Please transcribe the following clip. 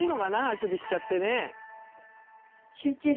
あくびしちゃってね。